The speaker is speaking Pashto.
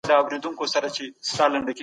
آزموينه د څېړنې مهمه برخه ده.